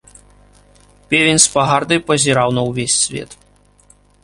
Певень з пагардай пазіраў на ўвесь свет.